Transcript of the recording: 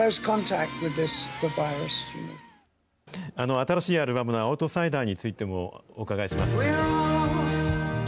新しいアルバムの、アウトサイダーについてもお伺いします。